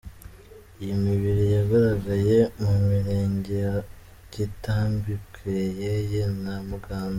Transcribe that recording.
Iyi mibiri yagaragaye mu mirenge ya Gitambi, Bweyeye na Muganza.